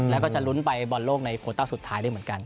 แล้วก็จะลุ้นไปบอลโลกในโคต้าสุดท้ายได้เหมือนกัน